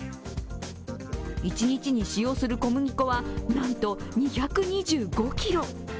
一日に使用する小麦粉は、なんと２２５ｋｇ。